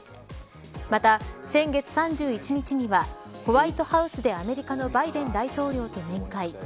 また、先月３１日にはホワイトハウスでアメリカのバイデン大統領と面会。